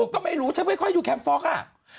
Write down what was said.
ก็ไม่รู้ฉันค่อยจะดูแคมป์ฟอคอะ